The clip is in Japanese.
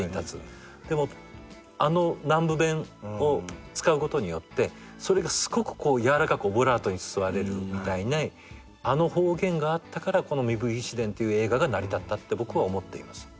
でもあの南部弁を使うことによってそれがすごくやわらかくオブラートに包まれるみたいにあの方言があったからこの『壬生義士伝』って映画が成り立ったって僕は思っています。